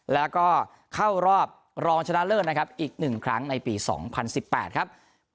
แล้วก็เข้ารอบรองชนะเลิศนะครับอีกหนึ่งครั้งในปีสองพันสิบแปดครับ